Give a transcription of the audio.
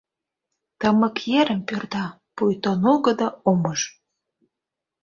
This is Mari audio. Тымык ерым пӱрда, пуйто нугыдо омыж.